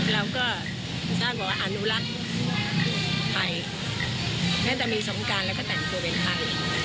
เราก็สร้างบอกว่าอนุรักษ์ไปน่าจะมีสงการแล้วก็แต่งตัวเป็นไทย